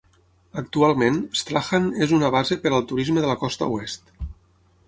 Actualment, Strahan es una base per al turisme de la costa oest.